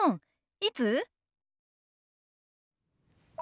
「いつ？」。